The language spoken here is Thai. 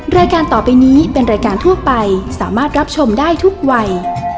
รายการต่อไปนี้เป็นรายการทั่วไปสามารถรับชมได้ทุกวัย